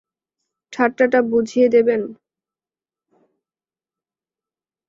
ঠাট্টাটা বুঝিয়ে দেবেন।